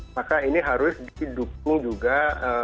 maka ini harus didukung juga untuk memastikan